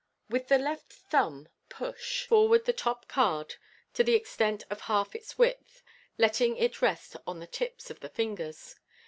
With the left thumb push forward the top card to the extent of half its width, letting it rest on the tips of the fingers.